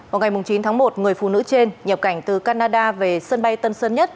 vào ngày chín tháng một người phụ nữ trên nhập cảnh từ canada về sân bay tân sơn nhất